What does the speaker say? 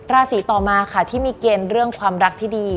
ราศีต่อมาค่ะที่มีเกณฑ์เรื่องความรักที่ดี